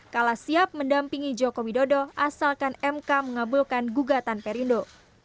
kala siap mendampingi joko widodo asalkan mk mengabulkan gugatan perindo